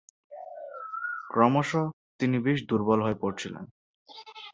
ক্রমশ: তিনি বেশ দুর্বল হয়ে পড়েছিলেন।